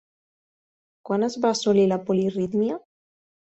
Quan es va assolir la polirítmia?